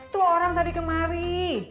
tuh orang tadi kemari